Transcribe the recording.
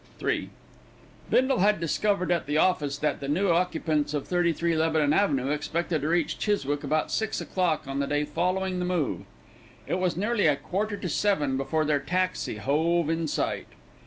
III Bindle had discovered at the office that the new occupants of 33 Lebanon Avenue expected to reach Chiswick about six o'clock on the day following the move. It was nearly a quarter to seven before their taxi hove in sight.